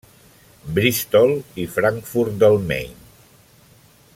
Bristol i Frankfurt del Main.